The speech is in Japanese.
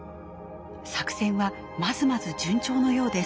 作戦はまずまず順調のようです。